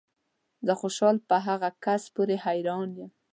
زه خوشحال په هغه کس پورې حیران یم